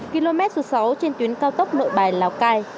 km số sáu trên tuyến cao tốc nội bài lào cai